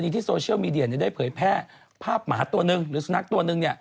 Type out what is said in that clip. ที่โซเชียลมีเดียได้เผยแพร่ภาพหมาตัวหนึ่งหรือสุนัขตัวหนึ่ง